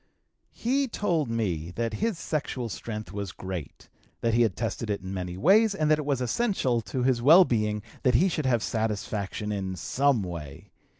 He told me that his sexual strength was great, that he had tested it in many ways, and that it was essential to his well being that he should have satisfaction in some way.